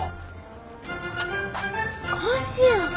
菓子や！